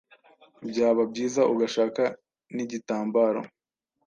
byaba byiza ugashaka n’igitambaro